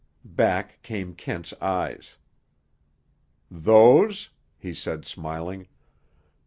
Back came Kent's eyes. "Those?" he said smiling.